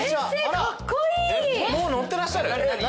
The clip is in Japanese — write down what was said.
もう乗ってらっしゃる。